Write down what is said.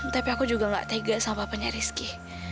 tapi aku juga gak tega sama punya rizky